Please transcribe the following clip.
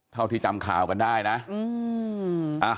เท่าที่จำข่าวกันได้นะ